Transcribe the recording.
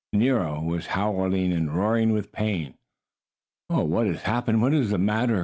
Nero was howling and roaring with pain. "Oh, what has happened? What is the matter?"